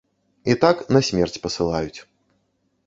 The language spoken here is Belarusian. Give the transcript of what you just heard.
І так на смерць пасылаюць.